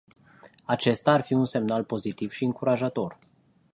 Acesta ar fi un semnal pozitiv și încurajator.